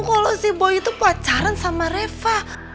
kalau si boy itu pacaran sama reva